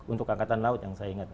untuk angkatan laut yang saya ingat